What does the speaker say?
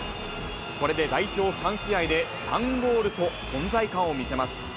これで代表３試合で３ゴールと、存在感を見せます。